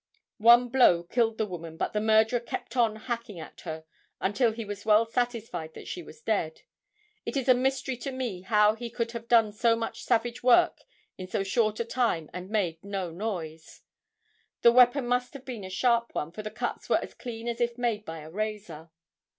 One blow killed the woman but the murderer kept on hacking at her until he was well satisfied that she was dead. It is a mystery to me how he could have done so much savage work in so short a time and made no noise. The weapon must have been a sharp one for the cuts were as clean as if made by a razor.